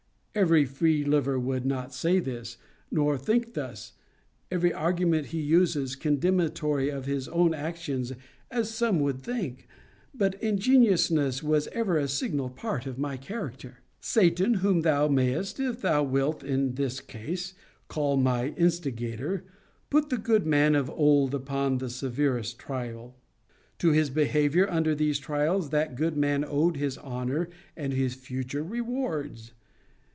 Every free liver would not say this, nor think thus every argument he uses, condemnatory of his own actions, as some would think. But ingenuousness was ever a signal part of my character. Satan, whom thou mayest, if thou wilt, in this case, call my instigator, put the good man of old upon the severest trial. 'To his behaviour under these trials that good man owed his honour and his future rewards.'